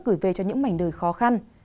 gửi về cho những mảnh đời khó khăn